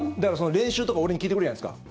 練習とか俺に聞いてくるじゃないですか。